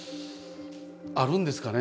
あるんですかね？